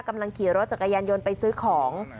กำลังขี่รถจักรยานยนต์ไปซื้อของ